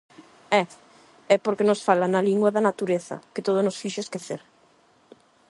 Eh, é porque nos fala na lingua da natureza que todo nos fixo esquecer.